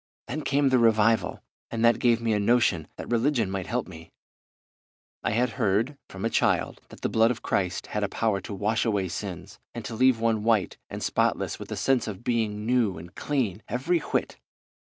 Then came the revival, and that gave me a notion that religion might help me. I had heard, from a child, that the blood of Christ had a power to wash away sins and to leave one white and spotless with a sense of being new and clean every whit.